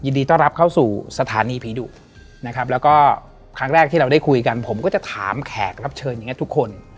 ดีต้อนรับเข้าสู่สถานีผีดุนะครับแล้วก็ครั้งแรกที่เราได้คุยกันผมก็จะถามแขกรับเชิญอย่างนี้ทุกคน